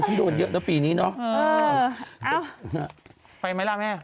พอทุกภาพทุกแม่ก็มีความหมาย